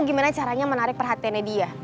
gimana caranya menarik perhatiannya dia